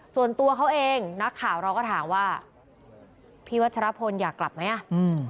ส่วนตัวเขาเองนักข่าวเราก็ถามว่าพี่วัชรพลอยากกลับไหมอ่ะอืม